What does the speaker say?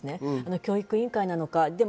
教育委員会なのか。